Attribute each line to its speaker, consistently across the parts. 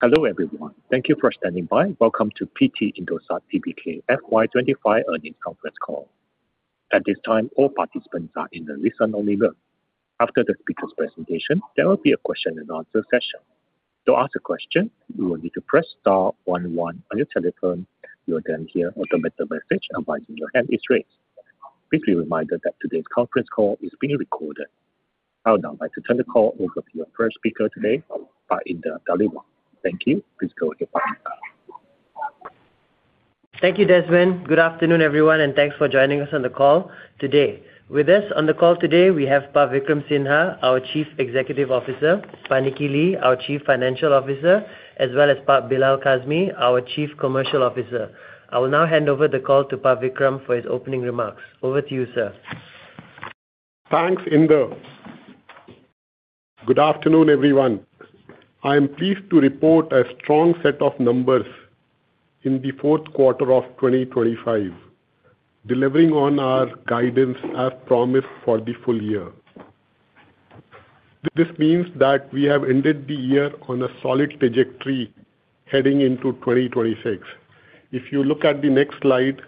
Speaker 1: Hello everyone, thank you for standing by. Welcome to PT. Indosat Tbk FY 2025 earnings conference call. At this time, all participants are in the listen-only mode. After the speaker's presentation, there will be a question-and-answer session. To ask a question, you will need to press star one one on your telephone. You will then hear an automated message advising your hand is raised. Please be reminded that today's conference call is being recorded. I would now like to turn the call over to your first speaker today, Pak Indar Dhaliwal. Thank you, please go ahead, Pak Indar.
Speaker 2: Thank you, Desmond. Good afternoon, everyone, and thanks for joining us on the call today. With us on the call today, we have Pak Vikram Sinha, our Chief Executive Officer, Pak Nicky Lee, our Chief Financial Officer, as well as Pak Bilal Kazmi, our Chief Commercial Officer. I will now hand over the call to Pak Vikram for his opening remarks. Over to you, sir.
Speaker 3: Thanks, Indar. Good afternoon, everyone. I am pleased to report a strong set of numbers in the fourth quarter of 2025, delivering on our guidance as promised for the full year. This means that we have ended the year on a solid trajectory heading into 2026. If you look at the next slide,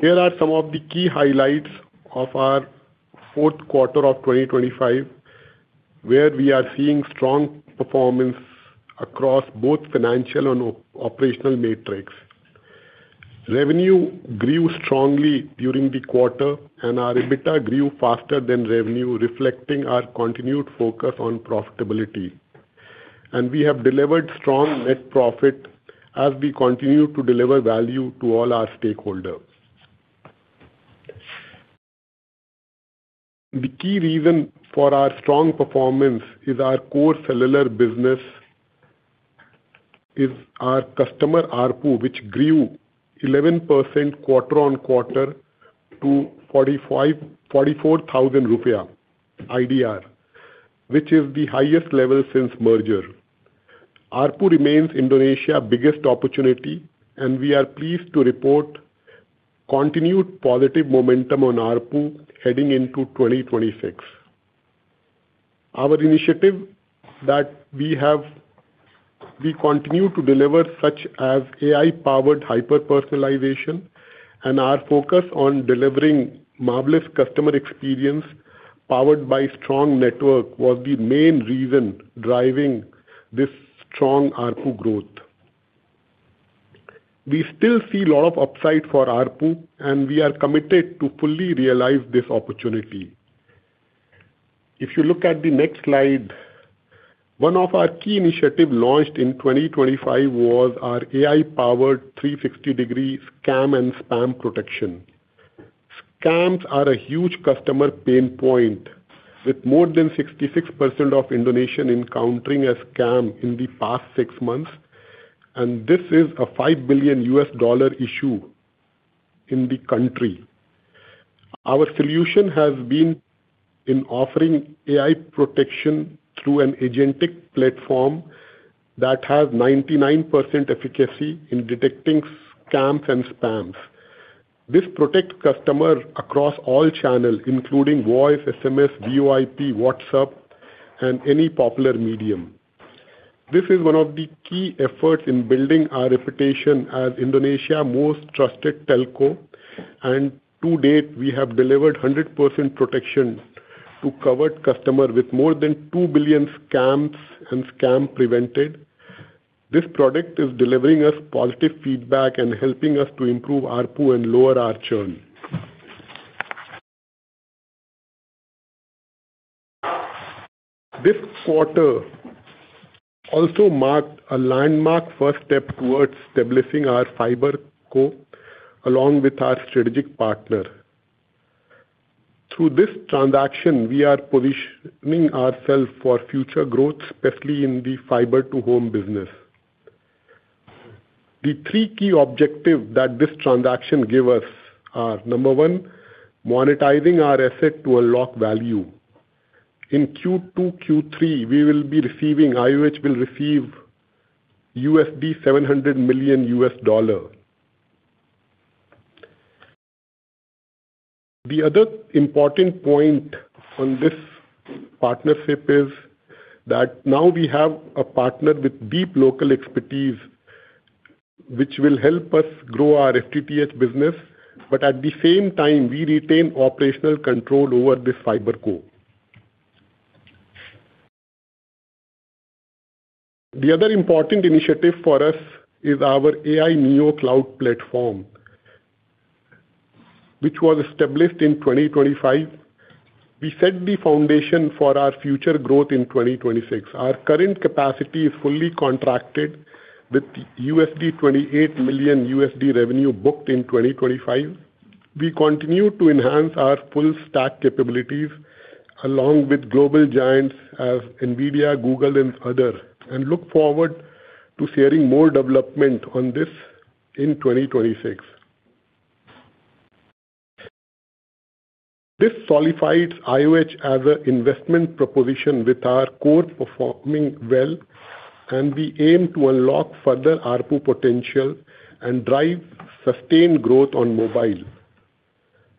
Speaker 3: here are some of the key highlights of our fourth quarter of 2025, where we are seeing strong performance across both financial and operational metrics. Revenue grew strongly during the quarter, and our EBITDA grew faster than revenue, reflecting our continued focus on profitability. And we have delivered strong net profit as we continue to deliver value to all our stakeholders. The key reason for our strong performance is our core cellular business, our customer ARPU, which grew 11% quarter-on-quarter to 44,000 rupiah, which is the highest level since merger. ARPU remains Indonesia's biggest opportunity, and we are pleased to report continued positive momentum on ARPU heading into 2026. Our initiative that we continue to deliver such as AI-powered hyper-personalization, and our focus on delivering marvelous customer experience powered by a strong network was the main reason driving this strong ARPU growth. We still see a lot of upside for ARPU, and we are committed to fully realize this opportunity. If you look at the next slide, one of our key initiatives launched in 2025 was our AI-powered 360-degree scam and spam protection. Scams are a huge customer pain point, with more than 66% of Indonesians encountering a scam in the past six months, and this is a $5 billion issue in the country. Our solution has been in offering AI protection through an agentic platform that has 99% efficacy in detecting scams and spams. This protects customers across all channels, including voice, SMS, VoIP, WhatsApp, and any popular medium. This is one of the key efforts in building our reputation as Indonesia's most trusted telco, and to date, we have delivered 100% protection to covered customers with more than 2 billion scams and scam prevented. This product is delivering us positive feedback and helping us to improve ARPU and lower our churn. This quarter also marked a landmark first step towards establishing our FiberCo along with our strategic partner. Through this transaction, we are positioning ourselves for future growth, especially in the fiber-to-home business. The three key objectives that this transaction gives us are: number one, monetizing our asset to unlock value. In Q2, Q3, we will be receiving, IOH will receive, $700 million. The other important point on this partnership is that now we have a partner with deep local expertise which will help us grow our FTTH business, but at the same time, we retain operational control over this FiberCo. The other important initiative for us is our AI Neo Cloud platform, which was established in 2025. We set the foundation for our future growth in 2026. Our current capacity is fully contracted with $28 million revenue booked in 2025. We continue to enhance our full stack capabilities along with global giants as NVIDIA, Google, and others, and look forward to sharing more development on this in 2026. This solidifies IOH as an investment proposition with our core performing well, and we aim to unlock further ARPU potential and drive sustained growth on mobile.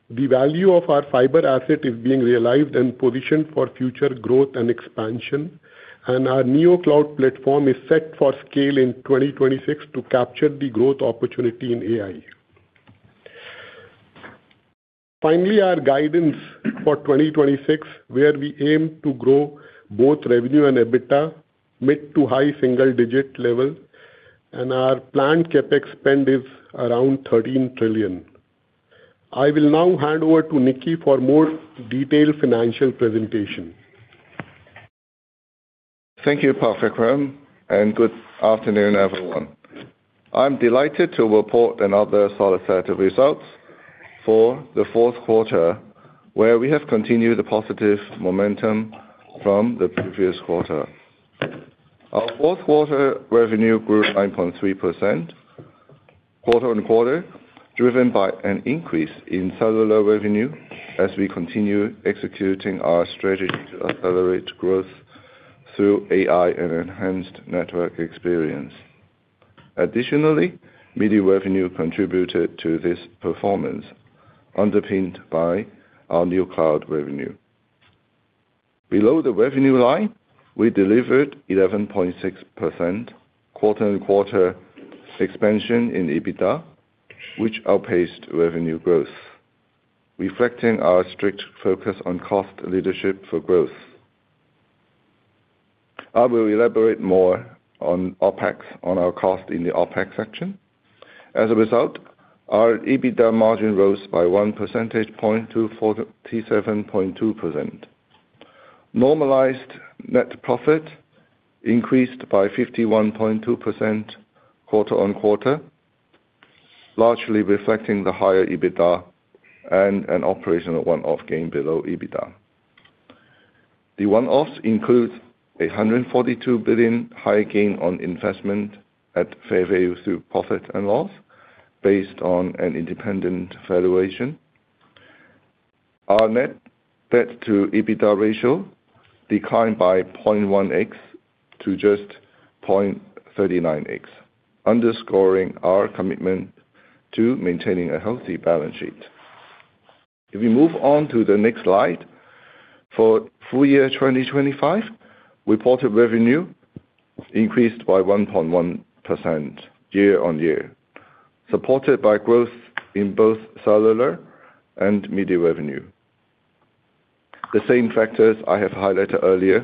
Speaker 3: The value of our fiber asset is being realized and positioned for future growth and expansion, and our Neo Cloud platform is set for scale in 2026 to capture the growth opportunity in AI. Finally, our guidance for 2026, where we aim to grow both revenue and EBITDA mid- to high-single-digit level, and our planned CapEx spend is around 13 trillion. I will now hand over to Nicky for a more detailed financial presentation.
Speaker 4: Thank you, Pak Vikram, and good afternoon, everyone. I'm delighted to report another solid set of results for the fourth quarter, where we have continued the positive momentum from the previous quarter. Our fourth quarter revenue grew 9.3% quarter-on-quarter, driven by an increase in cellular revenue as we continue executing our strategy to accelerate growth through AI and enhanced network experience. Additionally, media revenue contributed to this performance, underpinned by our new cloud revenue. Below the revenue line, we delivered 11.6% quarter-on-quarter expansion in EBITDA, which outpaced revenue growth, reflecting our strict focus on cost leadership for growth. I will elaborate more on our cost in the OpEx section. As a result, our EBITDA margin rose by 1 percentage point to 47.2%. Normalized net profit increased by 51.2% quarter-on-quarter, largely reflecting the higher EBITDA and an operational one-off gain below EBITDA. The one-offs include a 142 billion high gain on investment at fair value through profit and loss based on an independent valuation. Our net debt to EBITDA ratio declined by 0.1x to just 0.39x, underscoring our commitment to maintaining a healthy balance sheet. If we move on to the next slide, for full year 2025, reported revenue increased by 1.1% year-on-year, supported by growth in both cellular and media revenue. The same factors I have highlighted earlier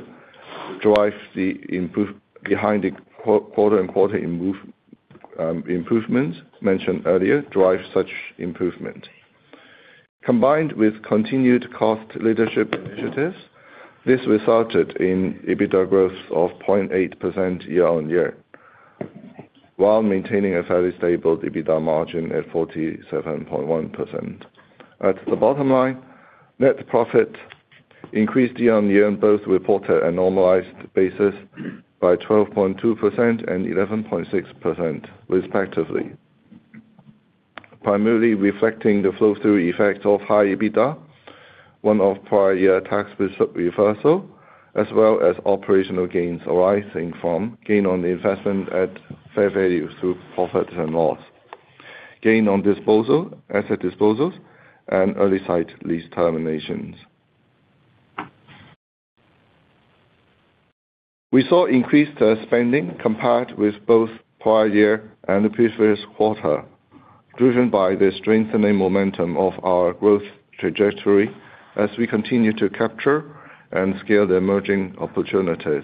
Speaker 4: behind the quarter-on-quarter improvements mentioned earlier drive such improvement. Combined with continued cost leadership initiatives, this resulted in EBITDA growth of 0.8% year-on-year, while maintaining a fairly stable EBITDA margin at 47.1%. At the bottom line, net profit increased year-on-year on both reported and normalized basis by 12.2% and 11.6%, respectively, primarily reflecting the flow-through effects of high EBITDA, one-off prior-year tax reversal, as well as operational gains arising from gain on investment at fair value through profits and loss, gain on asset disposals, and early site lease terminations. We saw increased spending compared with both prior year and the previous quarter, driven by the strengthening momentum of our growth trajectory as we continue to capture and scale the emerging opportunities.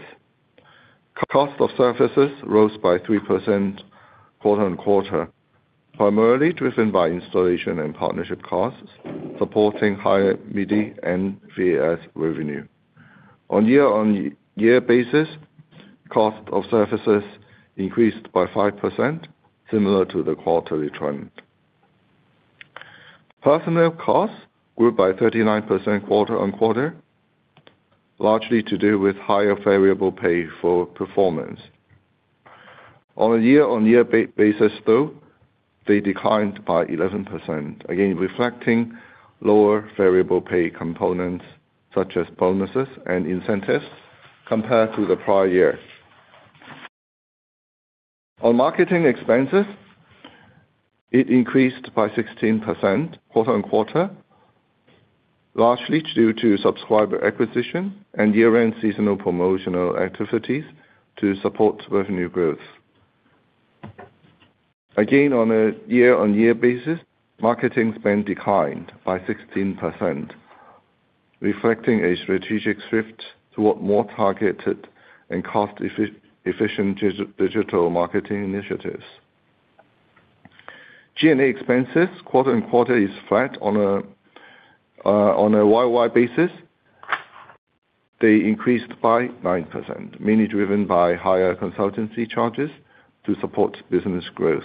Speaker 4: Cost of services rose by 3% quarter-on-quarter, primarily driven by installation and partnership costs, supporting higher media and VAS revenue. On a year-on-year basis, cost of services increased by 5%, similar to the quarterly trend. Personnel costs grew by 39% quarter-on-quarter, largely to do with higher variable pay for performance. On a year-on-year basis, though, they declined by 11%, again reflecting lower variable pay components such as bonuses and incentives compared to the prior year. On marketing expenses, it increased by 16% quarter-on-quarter, largely due to subscriber acquisition and year-end seasonal promotional activities to support revenue growth. Again, on a year-on-year basis, marketing spend declined by 16%, reflecting a strategic shift toward more targeted and cost-efficient digital marketing initiatives. G&A expenses quarter-on-quarter are flat on a YoY basis. They increased by 9%, mainly driven by higher consultancy charges to support business growth.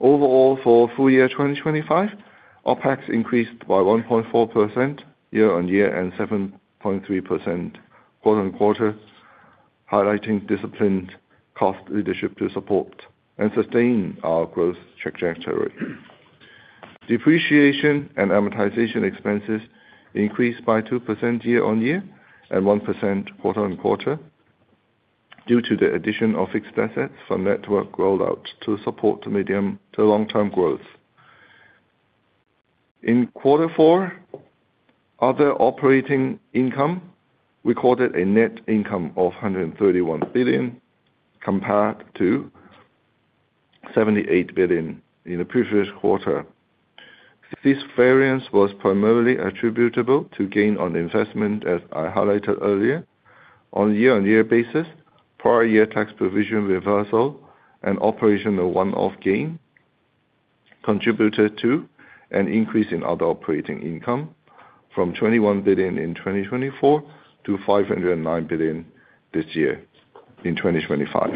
Speaker 4: Overall, for full year 2025, OpEx increased by 1.4% year-on-year and 7.3% quarter-on-quarter, highlighting disciplined cost leadership to support and sustain our growth trajectory. Depreciation and amortization expenses increased by 2% year-over-year and 1% quarter-over-quarter due to the addition of fixed assets from network rollout to support long-term growth. In quarter four, other operating income recorded a net income of 131 billion compared to 78 billion in the previous quarter. This variance was primarily attributable to gain on investment, as I highlighted earlier. On a year-on-year basis, prior-year tax provision reversal and operational one-off gain contributed to an increase in other operating income from 21 billion in 2024 to 509 billion this year in 2025.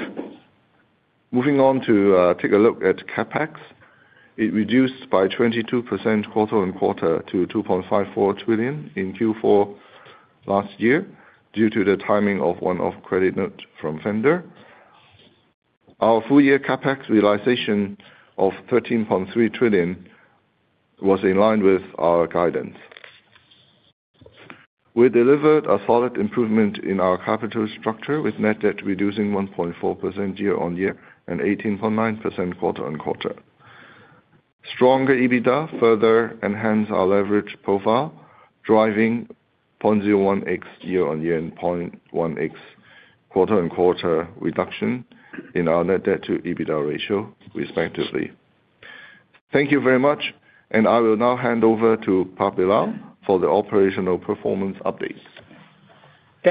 Speaker 4: Moving on to take a look at CapEx, it reduced by 22% quarter-over-quarter to 2.54 trillion in Q4 last year due to the timing of one-off credit note from vendor. Our full-year CapEx realization of 13.3 trillion was in line with our guidance. We delivered a solid improvement in our capital structure, with net debt reducing 1.4% year-over-year and 18.9% quarter-over-quarter. Stronger EBITDA further enhanced our leverage profile, driving 0.01x year-over-year and 0.1x quarter-over-quarter reduction in our net debt to EBITDA ratio, respectively. Thank you very much, and I will now hand over to Pak Bilal for the operational performance updates.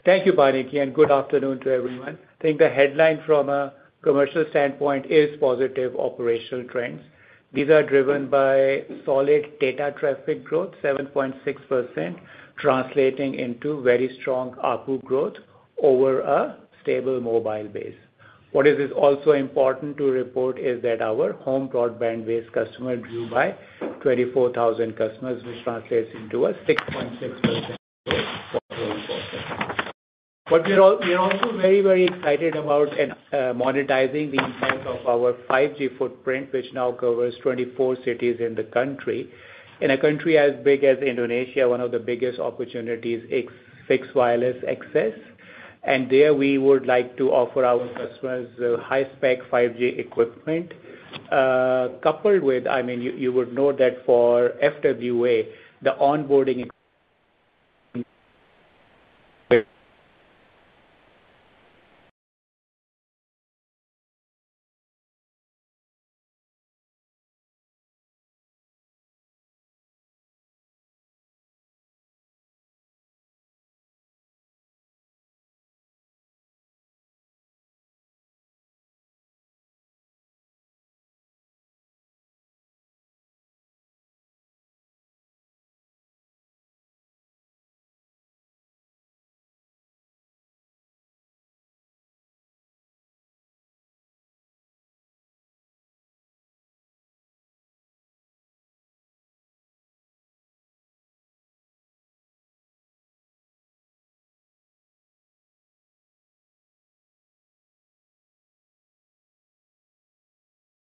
Speaker 5: Thank you, Buddy, again. Good afternoon to everyone. I think the headline from a commercial standpoint is positive operational trends. These are driven by solid data traffic growth, 7.6%, translating into very strong ARPU growth over a stable mobile base. What is also important to report is that our home broadband base grew by 24,000 customers, which translates into a 6.6% growth quarter on quarter. But we're also very, very excited about monetizing the impact of our 5G footprint, which now covers 24 cities in the country. In a country as big as Indonesia, one of the biggest opportunities is fixed wireless access, and there we would like to offer our customers high-spec 5G equipment coupled with—I mean, you would note that for FWA, the onboarding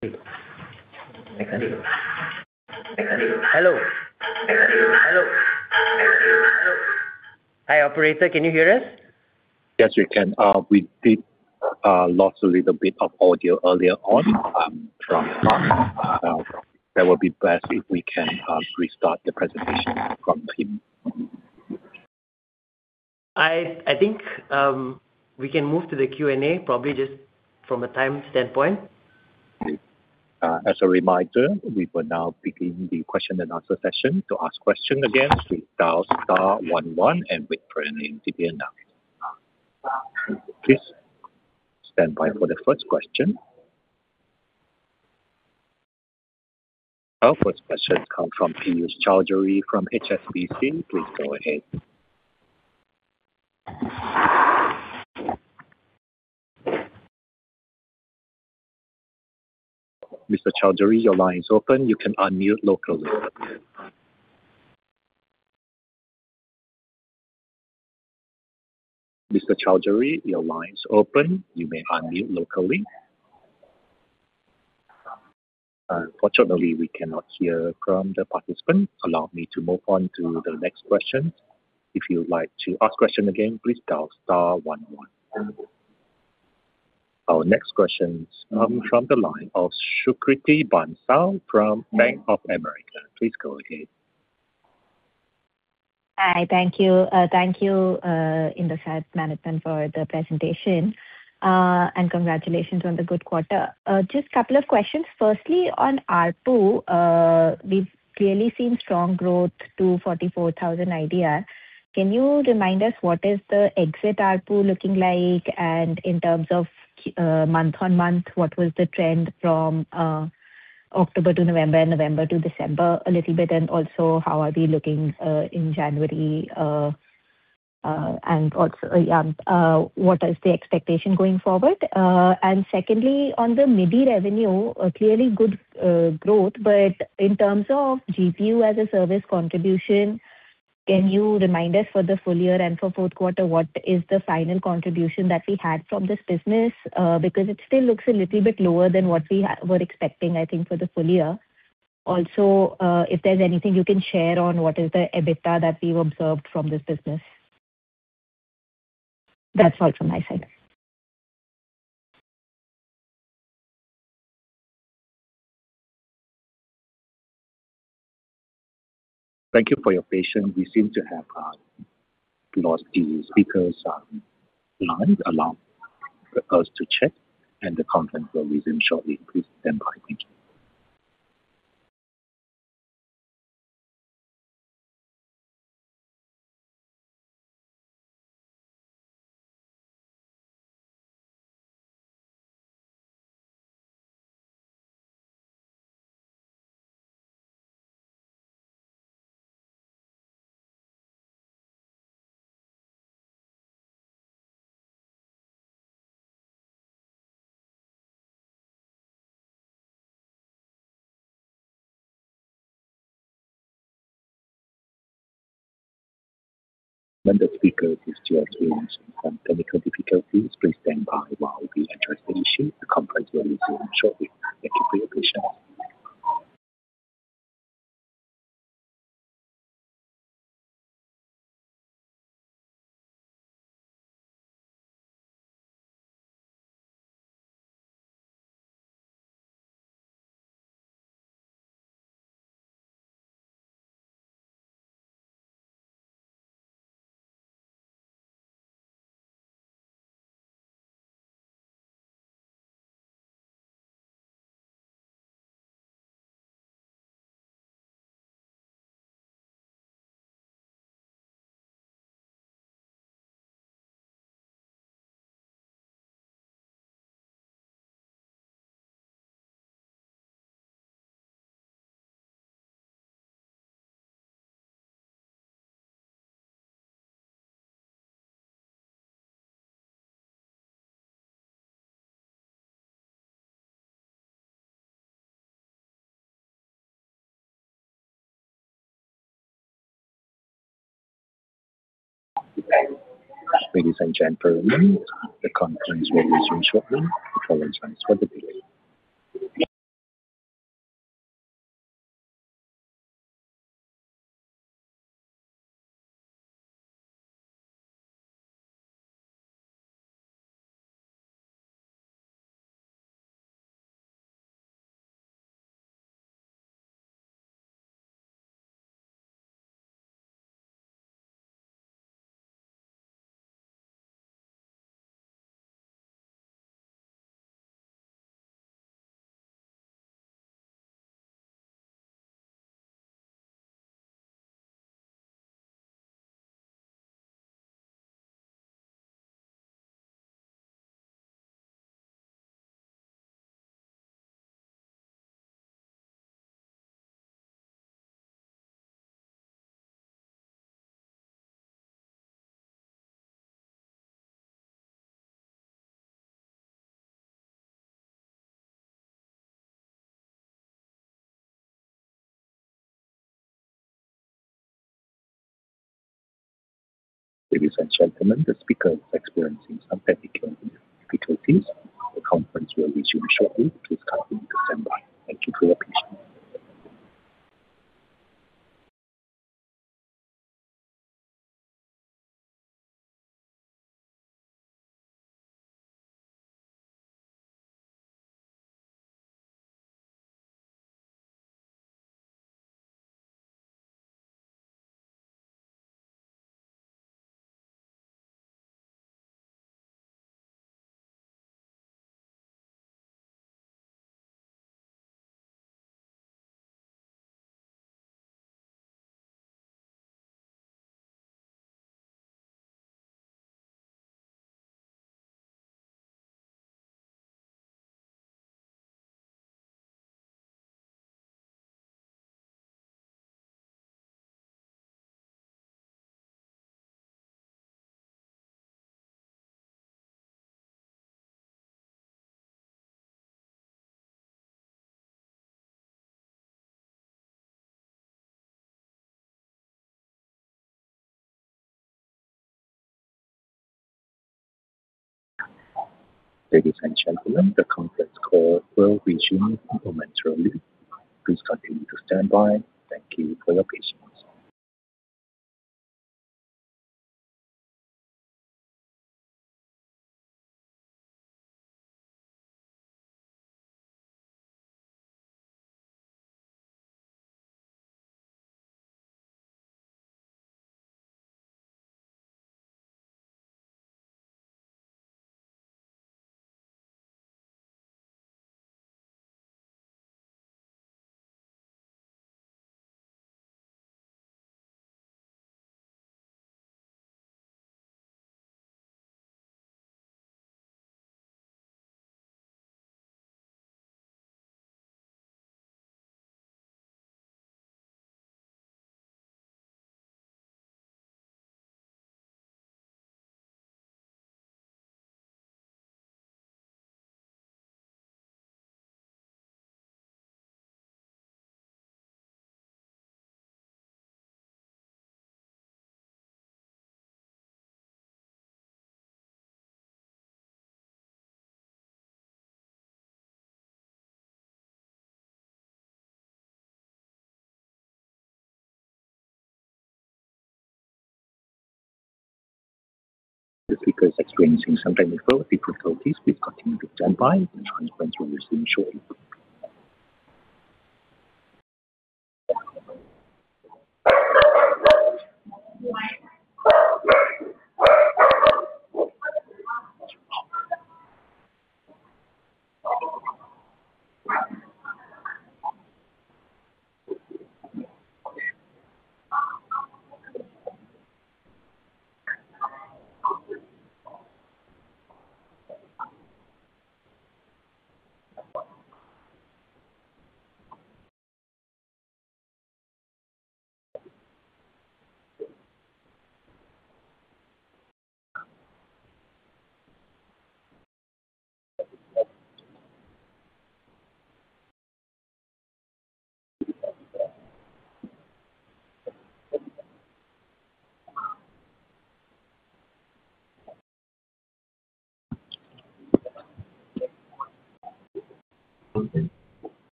Speaker 2: Hi. Operator, can you hear us?
Speaker 1: Yes, we can. We did lose a little bit of audio earlier on from Pak. That would be best if we can restart the presentation from him.
Speaker 5: I think we can move to the Q&A, probably just from a time standpoint.
Speaker 1: As a reminder, we will now begin the question and answer session. To ask questions again, please dial star one one and wait for an NTPN number. Please stand by for the first question. Our first question comes from Piyush Choudhary from HSBC. Please go ahead. Mr. Choudhary, your line is open. You can unmute locally. Mr. Choudhary, your line is open. You may unmute locally. Fortunately, we cannot hear from the participant. Allow me to move on to the next question. If you'd like to ask a question again, please dial star one one. Our next question comes from the line of Sukriti Bansal from Bank of America. Please go ahead. Hi. Thank you to the management for the presentation, and congratulations on the good quarter. Just a couple of questions. Firstly, on ARPU, we've clearly seen strong growth to 44,000 IDR. Can you remind us what is the exit ARPU looking like, and in terms of month-on-month, what was the trend from October to November and November to December a little bit, and also how are we looking in January? And also, yeah, what is the expectation going forward? And secondly, on the mobile revenue, clearly good growth, but in terms of GPU-as-a-Service contribution, can you remind us for the full year and for fourth quarter, what is the final contribution that we had from this business? Because it still looks a little bit lower than what we were expecting, I think, for the full year. Also, if there's anything you can share on what is the EBITDA that we've observed from this business? That's all from my side.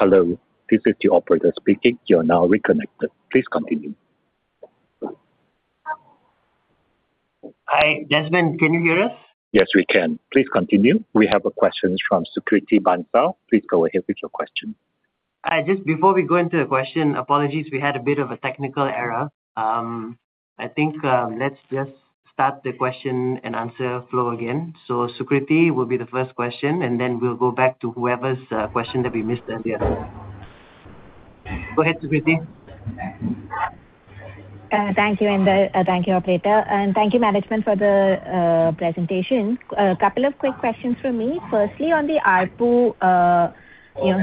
Speaker 1: Hello. This is the operator speaking. You are now reconnected. Please continue.
Speaker 5: Hi. Desmond, can you hear us?
Speaker 1: Yes, we can. Please continue. We have questions from Sukriti Bansal. Please go ahead with your question.
Speaker 5: Just before we go into the question, apologies, we had a bit of a technical error. I think let's just start the question and answer flow again. So Sukriti will be the first question, and then we'll go back to whoever's question that we missed earlier. Go ahead, Sukriti.
Speaker 6: Thank you, and thank you, Operator. Thank you, management, for the presentation. A couple of quick questions from me. Firstly, on the ARPU,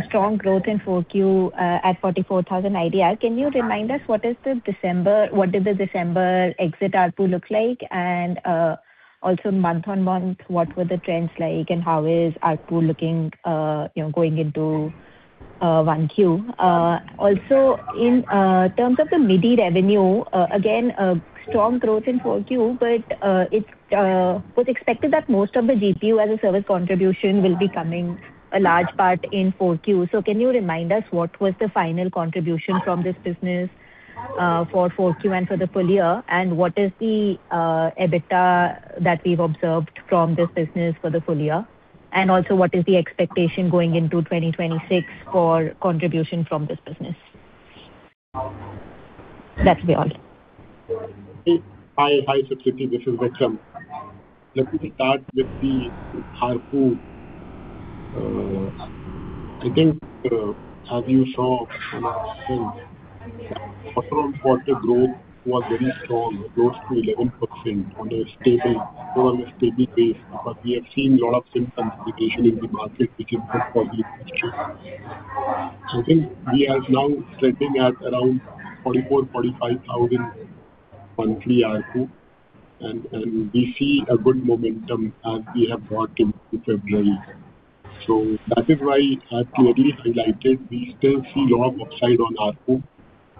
Speaker 6: strong growth in 4Q at 44,000 IDR, can you remind us what did the December exit ARPU look like? And also, month-on-month, what were the trends like, and how is ARPU looking going into 1Q? Also, in terms of the media revenue, again, strong growth in 4Q, but it was expected that most of the GPU-as-a-Service contribution will be coming a large part in 4Q. So can you remind us what was the final contribution from this business for 4Q and for the full year? And what is the EBITDA that we've observed from this business for the full year? And also, what is the expectation going into 2026 for contribution from this business? That would be all.
Speaker 3: Hi, Sukriti. This is Vikram. Let me start with the ARPU. I think, as you saw from our question, quarter-on-quarter, growth was very strong, close to 11% on a stable base, because we have seen a lot of symptoms in the market, which is good for the future. I think we are now trending at around 44,000-45,000 monthly ARPU, and we see a good momentum as we have got into February. So that is why I clearly highlighted we still see a lot of upside on ARPU,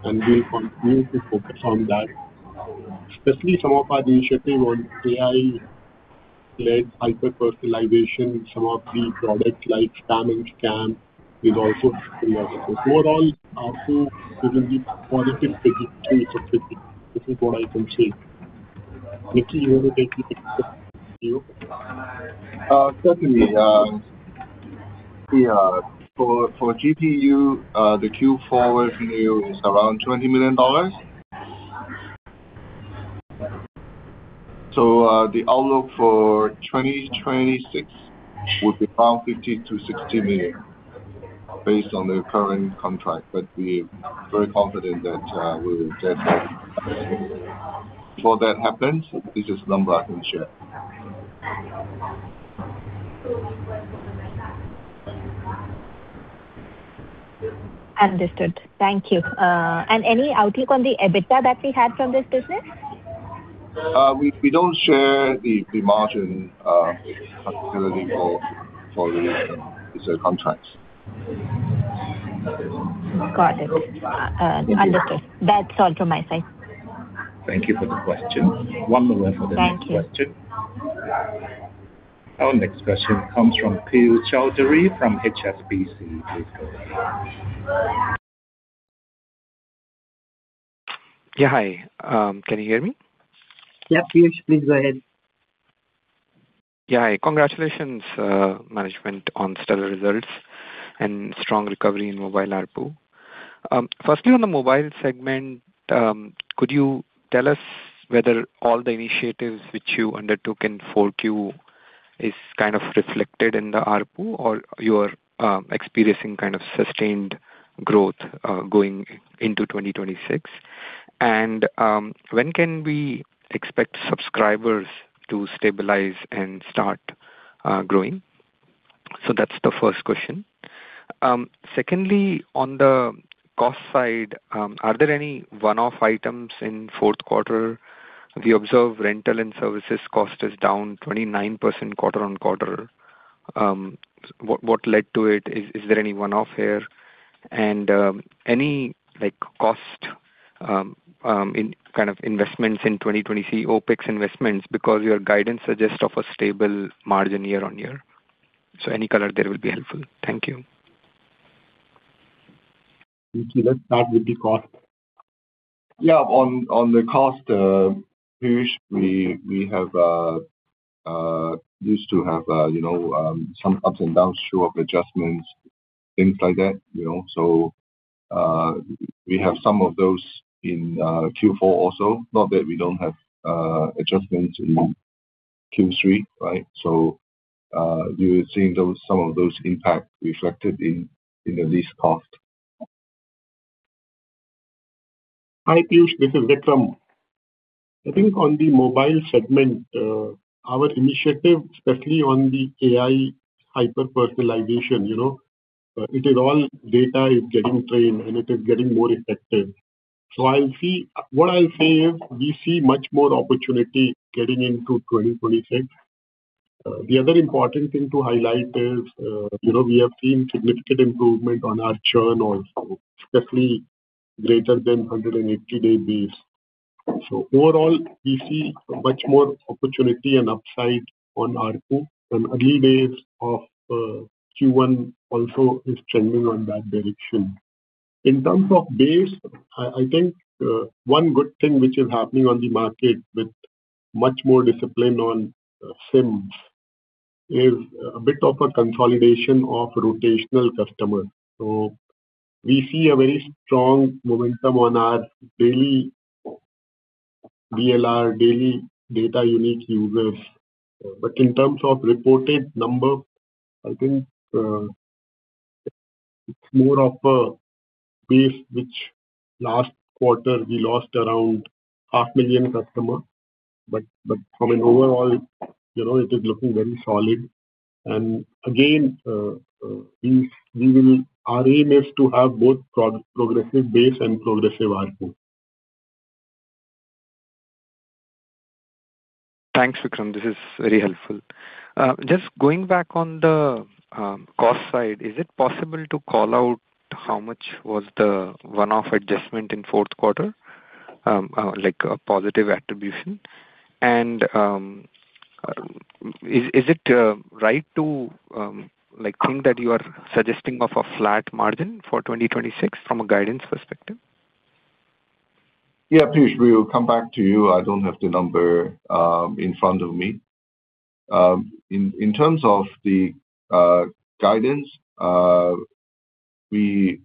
Speaker 3: and we'll continue to focus on that, especially some of our initiative on AI-led hyper-personalization. Some of the products like Spam and Scam is also a focus on. So overall, ARPU is in the positive trajectory, Sukriti. This is what I can say. Nicky, you want to take the picture?
Speaker 4: Certainly. For GPU, the Q4 revenue is around $20 million. So the outlook for 2026 would be around $50 million-$60 million based on the current contract, but we're very confident that we will get that. Before that happens, this is the number I can share.
Speaker 6: Understood. Thank you. Any outlook on the EBITDA that we had from this business?
Speaker 4: We don't share the margin facility for the reason it's a contract.
Speaker 6: Got it. Understood. That's all from my side.
Speaker 3: Thank you for the question. One more for the next question.
Speaker 6: Thank you.
Speaker 1: Our next question comes from Piyush Choudhary from HSBC. Please go ahead.
Speaker 7: Yeah. Hi. Can you hear me?
Speaker 5: Yep. Piyush, please go ahead.
Speaker 7: Yeah. Hi. Congratulations, management, on stellar results and strong recovery in mobile ARPU. Firstly, on the mobile segment, could you tell us whether all the initiatives which you undertook in 4Q are kind of reflected in the ARPU, or you are experiencing kind of sustained growth going into 2026? And when can we expect subscribers to stabilize and start growing? So that's the first question. Secondly, on the cost side, are there any one-off items in fourth quarter? We observe rental and services cost is down 29% quarter-over-quarter. What led to it? Is there any one-off here? And any cost kind of investments in 2020, CapEx investments, because your guidance suggests a stable margin year-over-year. So any color there will be helpful. Thank you.
Speaker 3: Nicky, let's start with the cost.
Speaker 4: Yeah. On the cost, Piyush, we used to have some ups and downs, one-off adjustments, things like that. So we have some of those in Q4 also. Not that we don't have adjustments in Q3, right? So you're seeing some of those impacts reflected in the lease cost.
Speaker 3: Hi, Piyush. This is Vikram. I think on the mobile segment, our initiative, especially on the AI hyper-personalization, it is all data is getting trained, and it is getting more effective. So what I'll say is we see much more opportunity getting into 2026. The other important thing to highlight is we have seen significant improvement on our churn also, especially greater than 180-day base. So overall, we see much more opportunity and upside on ARPU. And early days of Q1 also is trending on that direction. In terms of base, I think one good thing which is happening on the market with much more discipline on SIMs is a bit of a consolidation of rotational customers. So we see a very strong momentum on our daily DDU, daily data unique users. In terms of reported number, I think it's more of a base which last quarter we lost around 500,000 customers. Overall, it is looking very solid. Again, our aim is to have both progressive base and progressive ARPU.
Speaker 7: Thanks, Vikram. This is very helpful. Just going back on the cost side, is it possible to call out how much was the one-off adjustment in fourth quarter, like a positive attribution? And is it right to think that you are suggesting a flat margin for 2026 from a guidance perspective?
Speaker 4: Yeah. Piyush, we will come back to you. I don't have the number in front of me. In terms of the guidance, we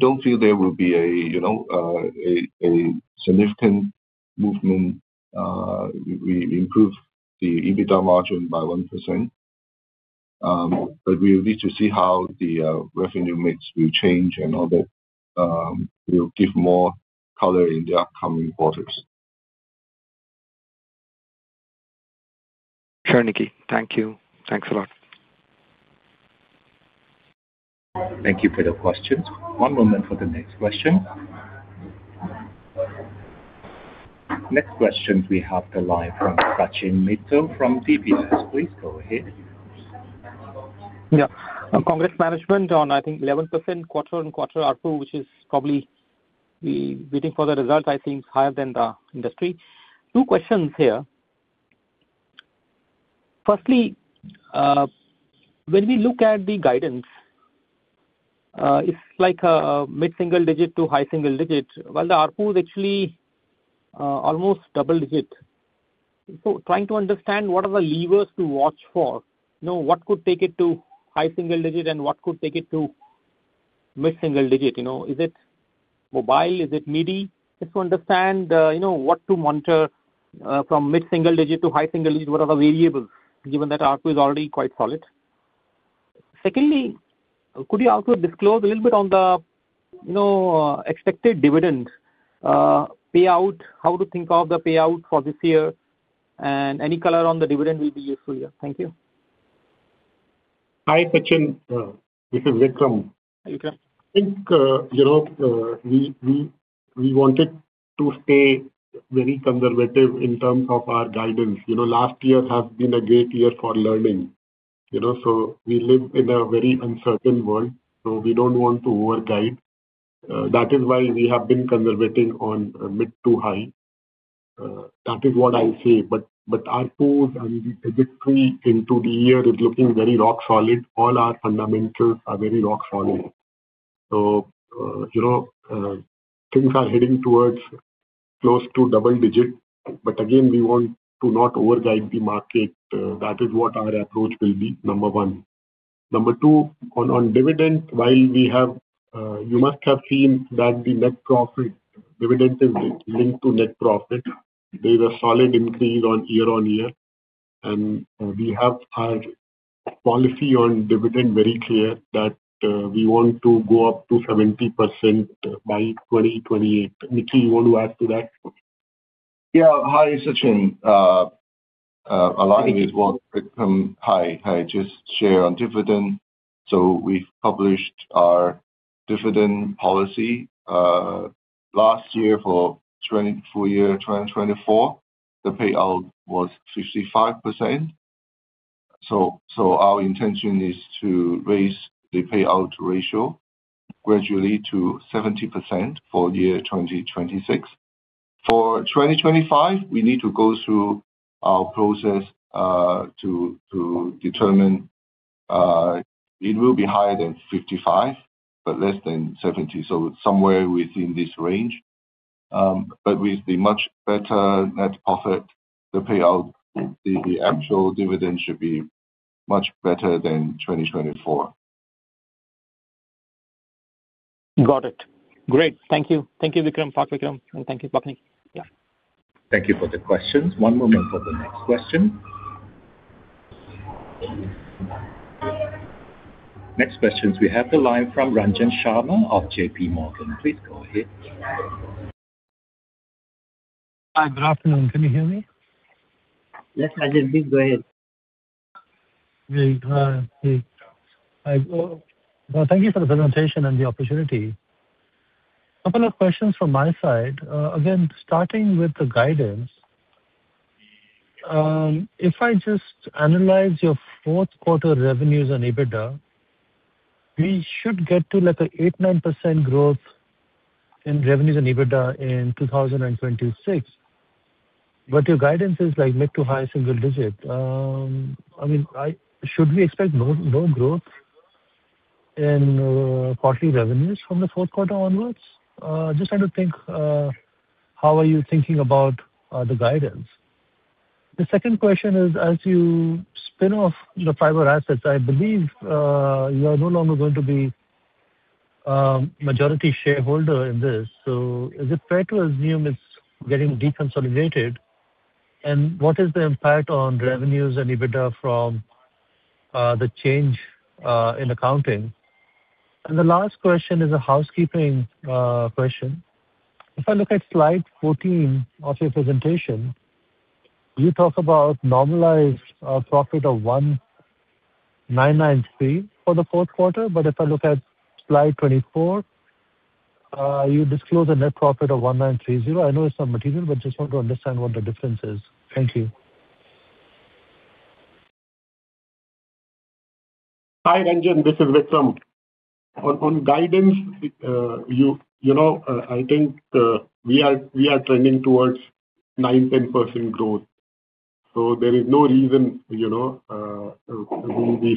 Speaker 4: don't feel there will be a significant movement. We improved the EBITDA margin by 1%, but we'll need to see how the revenue mix will change and all that will give more color in the upcoming quarters.
Speaker 7: Sure, Nicky. Thank you. Thanks a lot.
Speaker 1: Thank you for the questions. One moment for the next question. Next question, we have the line from Sachin Mittal from DBS. Please go ahead.
Speaker 8: Yeah. Congrats, management, on, I think, 11% quarter-on-quarter ARPU, which is probably. We're waiting for the results, I think, higher than the industry. Two questions here. Firstly, when we look at the guidance, it's like a mid-single digit to high-single digit. Well, the ARPU is actually almost double-digit. So trying to understand what are the levers to watch for? What could take it to high-single digit, and what could take it to mid-single digit? Is it mobile? Is it media? Just to understand what to monitor from mid-single digit to high-single digit, what are the variables, given that ARPU is already quite solid? Secondly, could you also disclose a little bit on the expected dividend payout, how to think of the payout for this year? And any color on the dividend will be useful here. Thank you.
Speaker 3: Hi, Sachin. This is Vikram.
Speaker 8: Hi, Vikram.
Speaker 3: I think we wanted to stay very conservative in terms of our guidance. Last year has been a great year for learning. So we live in a very uncertain world, so we don't want to overguide. That is why we have been conservative on mid to high. That is what I'll say. But ARPUs and the trajectory into the year is looking very rock solid. All our fundamentals are very rock solid. So things are heading towards close to double-digit, but again, we want to not overguide the market. That is what our approach will be, number one. Number two, on dividend, while we have you must have seen that the net profit dividend is linked to net profit. There is a solid increase on year-on-year. And we have our policy on dividend very clear that we want to go up to 70% by 2028. Nicky, you want to add to that?
Speaker 4: Yeah. Hi, Sachin. Along with this one, Vikram, hi. I just share on dividend. We've published our dividend policy last year for full year 2024. The payout was 55%. Our intention is to raise the payout ratio gradually to 70% for year 2026. For 2025, we need to go through our process to determine it will be higher than 55%, but less than 70%, so somewhere within this range. But with the much better net profit, the payout, the actual dividend should be much better than 2024.
Speaker 8: Got it. Great. Thank you. Thank you, Vikram. Thank you, Pak Nicky. Yeah.
Speaker 1: Thank you for the questions. One moment for the next question. Next questions, we have the line from Ranjan Sharma of JPMorgan. Please go ahead.
Speaker 9: Hi. Good afternoon. Can you hear me?
Speaker 2: Yes, Ranjan. Please go ahead.
Speaker 9: Yeah. Thank you for the presentation and the opportunity. A couple of questions from my side. Again, starting with the guidance, if I just analyze your fourth quarter revenues and EBITDA, we should get to an 8%-9% growth in revenues and EBITDA in 2026. But your guidance is mid- to high-single-digit. I mean, should we expect no growth in quarterly revenues from the fourth quarter onwards? I just want to think, how are you thinking about the guidance? The second question is, as you spin off the fiber assets, I believe you are no longer going to be majority shareholder in this. So is it fair to assume it's getting deconsolidated? And what is the impact on revenues and EBITDA from the change in accounting? And the last question is a housekeeping question. If I look at slide 14 of your presentation, you talk about normalized profit of 1,993 for the fourth quarter. But if I look at slide 24, you disclose a net profit of 1,930. I know it's not material, but just want to understand what the difference is. Thank you.
Speaker 3: Hi, Ranjan. This is Vikram. On guidance, I think we are trending towards 9%-10% growth. So there is no reason we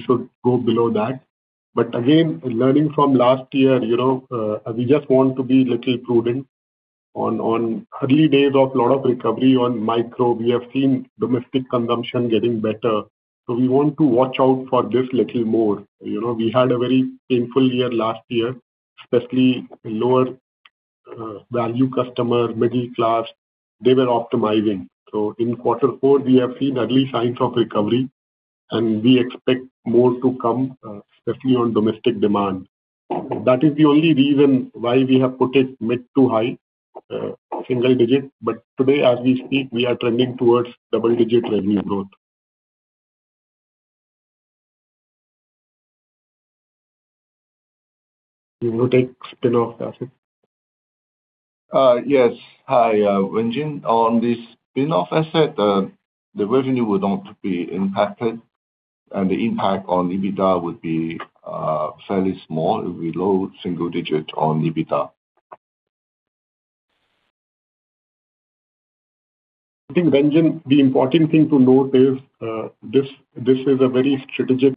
Speaker 3: should go below that. But again, learning from last year, we just want to be a little prudent on early days of a lot of recovery on micro. We have seen domestic consumption getting better. So we want to watch out for this a little more. We had a very painful year last year, especially lower-value customers, middle class. They were optimizing. So in quarter four, we have seen early signs of recovery, and we expect more to come, especially on domestic demand. That is the only reason why we have put it mid- to high single digit. But today, as we speak, we are trending towards double-digit revenue growth. You want to take spin-off assets?
Speaker 4: Yes. Hi, Ranjan. On the spin-off asset, the revenue would not be impacted, and the impact on EBITDA would be fairly small. It would be low single digit on EBITDA.
Speaker 3: I think, Ranjan, the important thing to note is this is a very strategic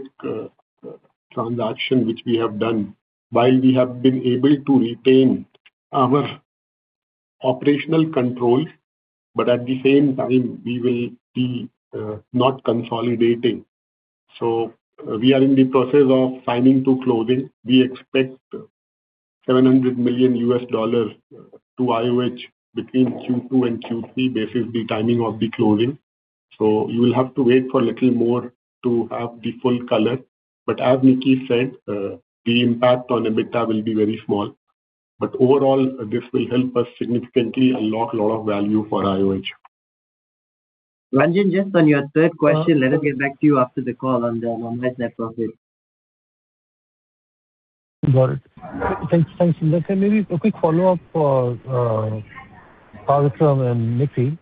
Speaker 3: transaction which we have done. While we have been able to retain our operational control, but at the same time, we will be not consolidating. So we are in the process of timing to closing. We expect $700 million to IOH between Q2 and Q3 based on the timing of the closing. So you will have to wait for a little more to have the full color. But as Nicky said, the impact on EBITDA will be very small. But overall, this will help us significantly unlock a lot of value for IOH.
Speaker 2: Ranjan, just on your third question, let us get back to you after the call on the normalized net profit.
Speaker 9: Got it. Thanks, Indar. So maybe a quick follow-up for Pak Vikram and Nicky.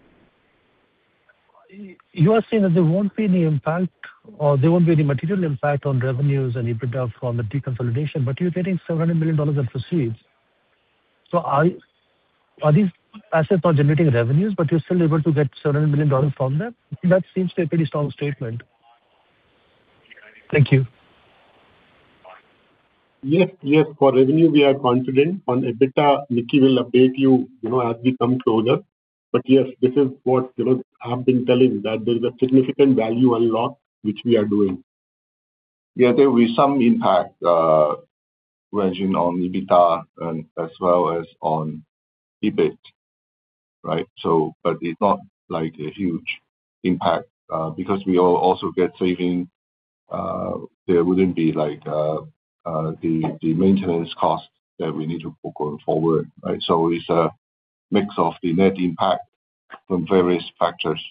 Speaker 9: You are saying that there won't be any impact or there won't be any material impact on revenues and EBITDA from the deconsolidation, but you're getting $700 million in receipts. So are these assets not generating revenues, but you're still able to get $700 million from them? I think that seems to be a pretty strong statement. Thank you.
Speaker 3: Yes. Yes. For revenue, we are confident. On EBITDA, Nicky will update you as we come closer. But yes, this is what I've been telling, that there is a significant value unlock which we are doing.
Speaker 4: Yeah. There will be some impact, Ranjan, on EBITDA as well as on EBIT, right? But it's not a huge impact because we also get savings. There wouldn't be the maintenance costs that we need to put going forward, right? So it's a mix of the net impact from various factors.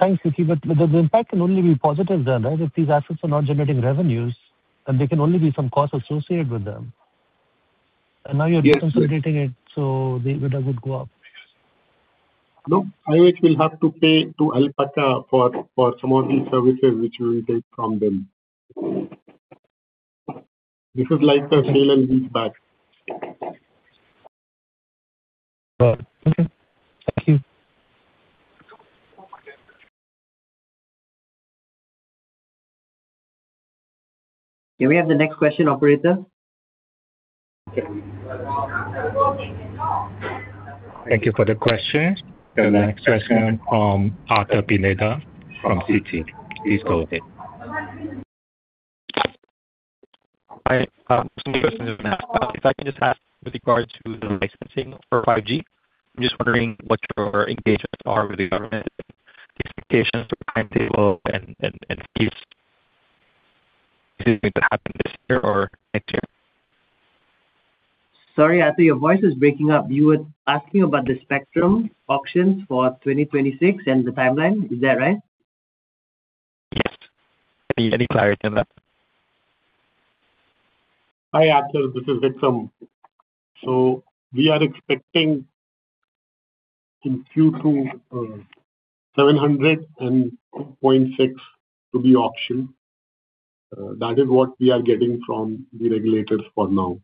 Speaker 9: Thanks, Nicky. The impact can only be positive then, right? If these assets are not generating revenues, then there can only be some cost associated with them. Now you're deconsolidating it, so the EBITDA would go up.
Speaker 3: No. IOH will have to pay to Alpaca for some of these services which we will take from them. This is like a sale and lease back.
Speaker 9: Got it. Okay. Thank you.
Speaker 2: Can we have the next question, operator?
Speaker 1: Thank you for the question. The next question from Arthur Pineda from Citi. Please go ahead.
Speaker 10: Hi. Some questions I'm going to ask. If I can just ask with regard to the licensing for 5G, I'm just wondering what your engagements are with the government, the expectations for timetable, and fees. Is it going to happen this year or next year?
Speaker 2: Sorry, Arthur. Your voice is breaking up. You were asking about the spectrum options for 2026 and the timeline. Is that right?
Speaker 10: Yes. Any clarity on that?
Speaker 3: Hi, Arthur. This is Vikram. We are expecting in Q2, 702.6 to be auctioned. That is what we are getting from the regulators for now.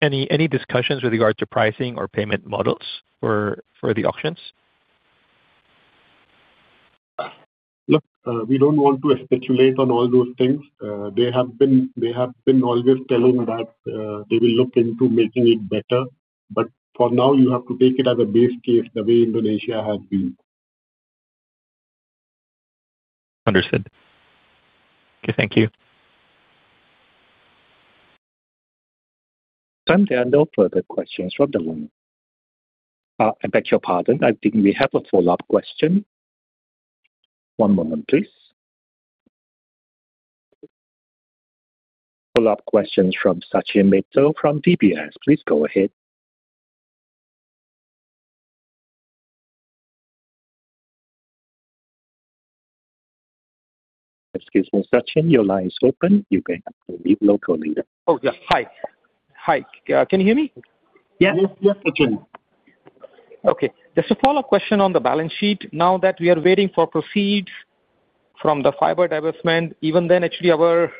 Speaker 10: Any discussions with regard to pricing or payment models for the auctions?
Speaker 3: Look, we don't want to speculate on all those things. They have been always telling that they will look into making it better. But for now, you have to take it as a base case the way Indonesia has been.
Speaker 10: Understood. Okay. Thank you.
Speaker 1: So, there are no further questions from the—I beg your pardon. I think we have a follow-up question. One moment, please. Follow-up questions from Sachin Mittal from DBS. Please go ahead. Excuse me, Sachin. Your line is open. You can leave locally then.
Speaker 8: Oh, yeah. Hi. Hi. Can you hear me?
Speaker 2: Yes.
Speaker 3: Yes, yes, Sachin.
Speaker 8: Okay. Just a follow-up question on the balance sheet. Now that we are waiting for proceeds from the fiber divestment, even then, actually, our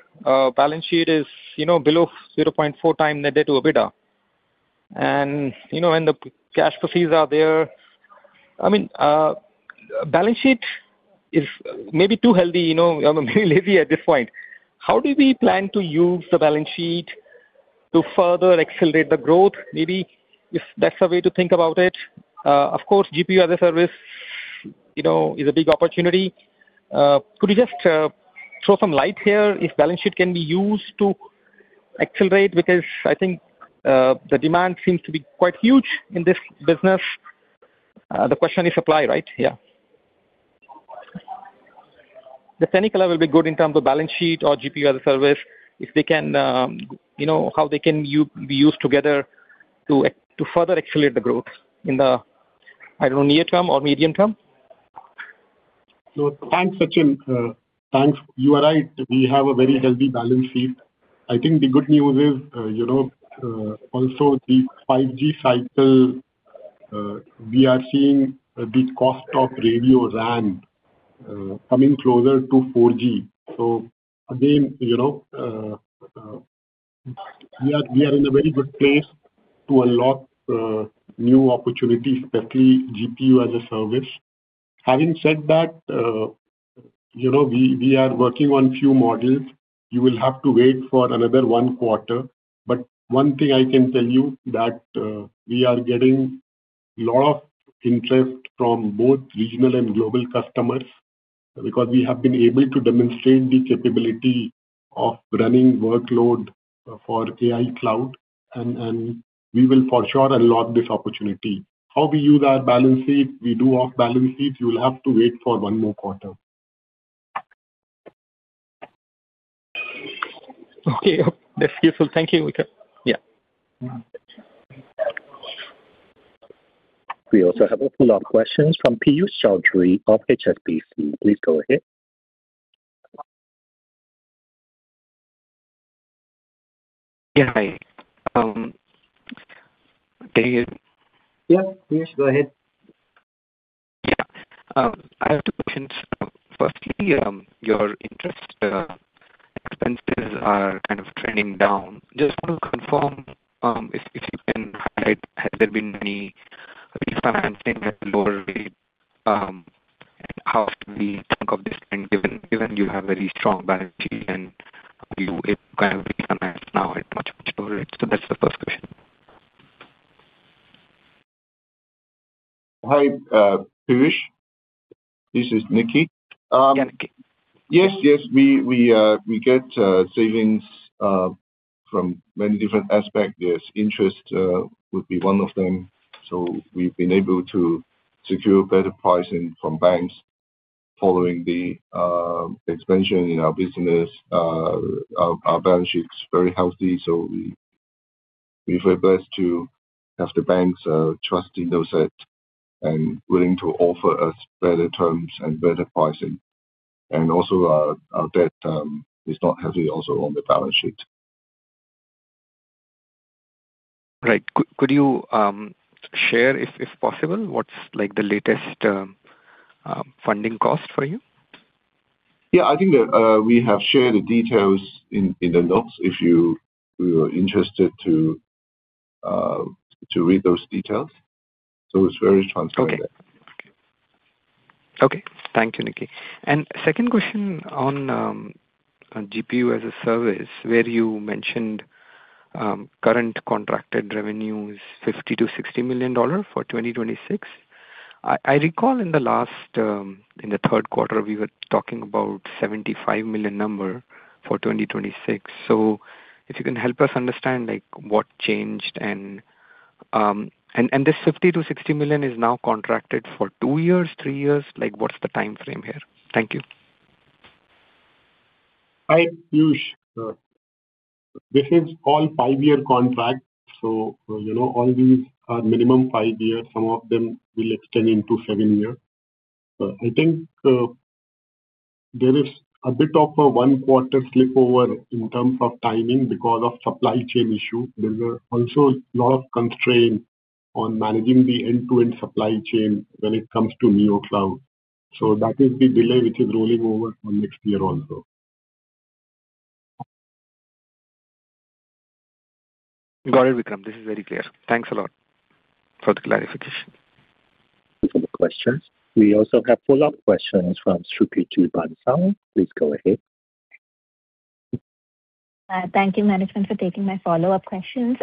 Speaker 8: balance sheet is below 0.4x net debt to EBITDA. And when the cash proceeds are there, I mean, balance sheet is maybe too healthy. I'm maybe lazy at this point. How do we plan to use the balance sheet to further accelerate the growth, maybe, if that's a way to think about it? Of course, GPU as a service is a big opportunity. Could you just throw some light here if balance sheet can be used to accelerate because I think the demand seems to be quite huge in this business? The question is supply, right? Yeah. If any color will be good in terms of balance sheet or GPU as a service, if they can how they can be used together to further accelerate the growth in the, I don't know, near-term or medium-term?
Speaker 3: So thanks, Sachin. You are right. We have a very healthy balance sheet. I think the good news is also the 5G cycle, we are seeing the cost of radio RAN coming closer to 4G. So again, we are in a very good place to unlock new opportunities, especially GPU as a service. Having said that, we are working on a few models. You will have to wait for another one quarter. But one thing I can tell you, that we are getting a lot of interest from both regional and global customers because we have been able to demonstrate the capability of running workload for AI cloud. And we will for sure unlock this opportunity. How we use our balance sheet, we do have balance sheets. You will have to wait for one more quarter.
Speaker 8: Okay. That's useful. Thank you, Vikram. Yeah.
Speaker 1: We also have a follow-up question from Piyush Choudhary of HSBC. Please go ahead.
Speaker 7: Yeah. Hi. Can you hear?
Speaker 2: Yeah. Piyush, go ahead.
Speaker 7: Yeah. I have two questions. Firstly, your interest expenses are kind of trending down. Just want to confirm if you can highlight, has there been any refinancing at lower rate? And how should we think of this trend given you have a very strong balance sheet and you kind of refinance now at much, much lower rate? So that's the first question.
Speaker 4: Hi, Piyush. This is Nicky.
Speaker 7: Yeah, Nicky.
Speaker 4: Yes, yes. We get savings from many different aspects. Yes, interest would be one of them. So we've been able to secure better pricing from banks following the expansion in our business. Our balance sheet's very healthy. So we're very blessed to have the banks trusting those and willing to offer us better terms and better pricing. And also, our debt is not heavy also on the balance sheet.
Speaker 7: Great. Could you share, if possible, what's the latest funding cost for you?
Speaker 4: Yeah. I think we have shared the details in the notes if you are interested to read those details. So it's very transparent.
Speaker 7: Okay. Okay. Okay. Thank you, Nicky. And second question on GPU as a service, where you mentioned current contracted revenue is $50 million-$60 million for 2026. I recall in the third quarter, we were talking about $75 million number for 2026. So if you can help us understand what changed? And this $50 million-$60 million is now contracted for two years, three years? What's the timeframe here? Thank you.
Speaker 3: Hi, Piyush. This is all five-year contract. So all these are minimum five years. Some of them will extend into seven years. I think there is a bit of a one-quarter slipover in terms of timing because of supply chain issue. There's also a lot of constraint on managing the end-to-end supply chain when it comes to Neo Cloud. So that is the delay which is rolling over for next year also.
Speaker 7: Got it, Vikram. This is very clear. Thanks a lot for the clarification.
Speaker 1: Questions. We also have follow-up questions from Sukriti Bansal. Please go ahead.
Speaker 6: Thank you, management, for taking my follow-up questions.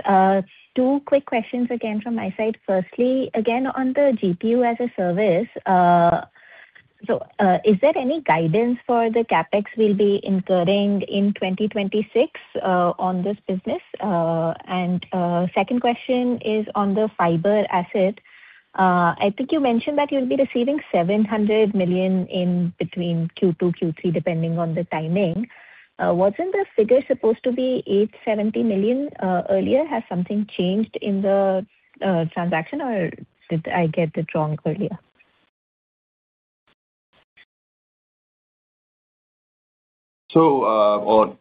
Speaker 6: Two quick questions again from my side. Firstly, again, on the GPU-as-a-Service, so is there any guidance for the CapEx we'll be incurring in 2026 on this business? And second question is on the fiber asset. I think you mentioned that you'll be receiving $700 million in between Q2, Q3, depending on the timing. Wasn't the figure supposed to be $870 million earlier? Has something changed in the transaction, or did I get it wrong earlier?
Speaker 4: So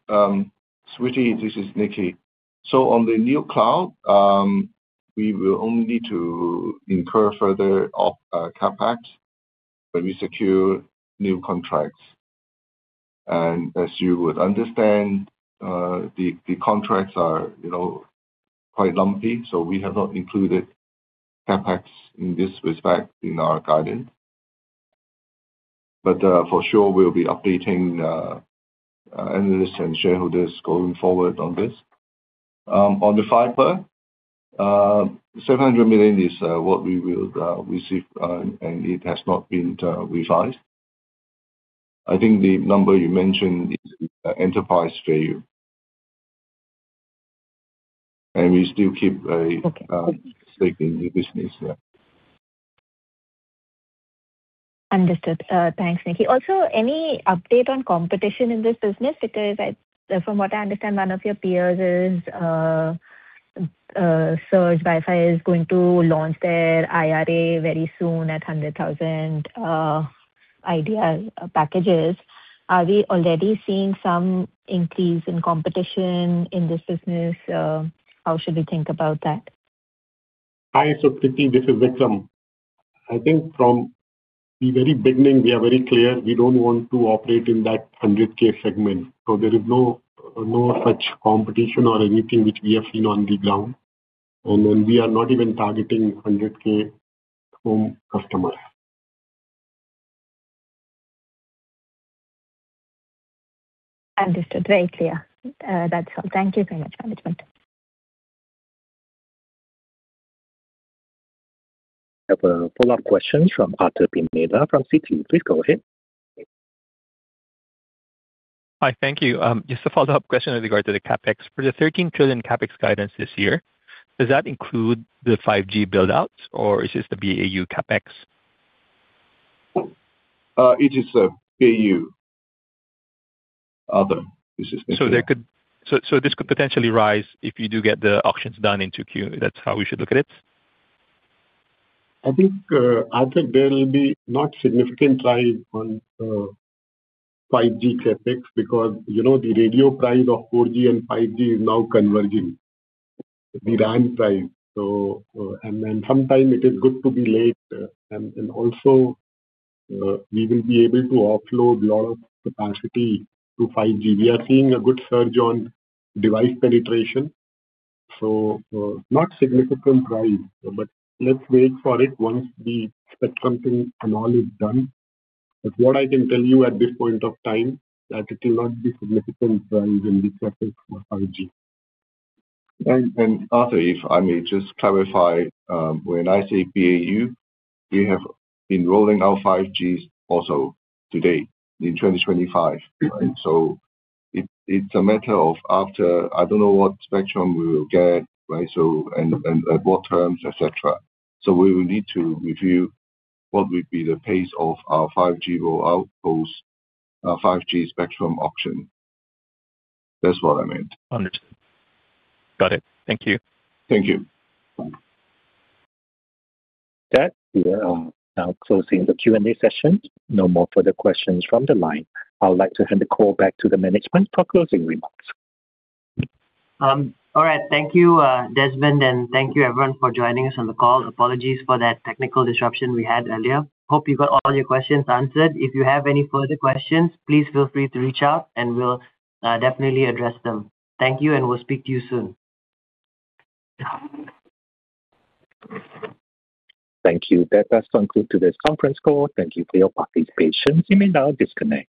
Speaker 4: Sukriti, this is Nicky. On the Neo Cloud, we will only need to incur further CapEx when we secure new contracts. As you would understand, the contracts are quite lumpy. We have not included CapEx in this respect in our guidance. For sure, we'll be updating analysts and shareholders going forward on this. On the fiber, 700 million is what we will receive, and it has not been revised. I think the number you mentioned is enterprise value. We still keep a stake in the business. Yeah.
Speaker 6: Understood. Thanks, Nicky. Also, any update on competition in this business because from what I understand, one of your peers, Surge WiFi, is going to launch their FWA very soon at 100,000 packages. Are we already seeing some increase in competition in this business? How should we think about that?
Speaker 3: Hi, Sukriti. This is Vikram. I think from the very beginning, we are very clear. We don't want to operate in that 100K segment. So there is no such competition or anything which we have seen on the ground. And then we are not even targeting 100K home customers.
Speaker 6: Understood. Very clear. That's all. Thank you very much, management.
Speaker 1: We have a follow-up question from Arthur Pineda from Citi. Please go ahead.
Speaker 10: Hi. Thank you. Just a follow-up question with regard to the CapEx. For the 13 trillion CapEx guidance this year, does that include the 5G buildouts, or is this the BAU CapEx?
Speaker 4: It is the BAU. Other is this.
Speaker 10: This could potentially rise if you do get the auctions done in 2Q. That's how we should look at it?
Speaker 3: I think there will be not significant rise on 5G CapEx because the radio price of 4G and 5G is now converging, the RAN price. And then sometime, it is good to be late. And also, we will be able to offload a lot of capacity to 5G. We are seeing a good surge on device penetration. So not significant rise. But let's wait for it once the spectrum thing and all is done. But what I can tell you at this point of time, that it will not be significant rise in the CapEx for 5G.
Speaker 4: And Arthur, if I may just clarify, when I say BAU, we have been rolling out 5G also today in 2025, right? So it's a matter of after I don't know what spectrum we will get, right, and at what terms, etc. So we will need to review what would be the pace of our 5G spectrum auction. That's what I meant.
Speaker 10: Understood. Got it. Thank you.
Speaker 4: Thank you.
Speaker 1: That we are now closing the Q&A session. No more further questions from the line. I would like to hand the call back to the management for closing remarks.
Speaker 2: All right. Thank you, Desmond. Thank you, everyone, for joining us on the call. Apologies for that technical disruption we had earlier. Hope you got all your questions answered. If you have any further questions, please feel free to reach out, and we'll definitely address them. Thank you, and we'll speak to you soon.
Speaker 1: Thank you. That does conclude today's conference call. Thank you for your participation. You may now disconnect.